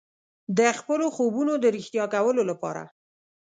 د خپلو خوبونو د ریښتیا کولو لپاره.